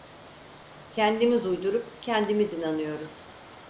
Kendimiz uydurup kendimiz inanıyoruz.